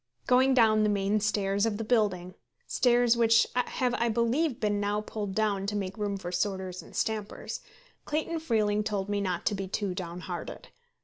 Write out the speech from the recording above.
Going down the main stairs of the building, stairs which have I believe been now pulled down to make room for sorters and stampers, Clayton Freeling told me not to be too downhearted.